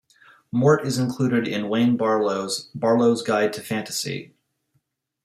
Mort is included in Wayne Barlowe's "Barlowe's Guide to Fantasy".